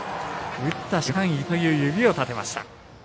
打った瞬間、いったという指を立てました。